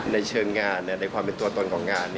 ในเชิงงานในความเป็นตัวตนของงาน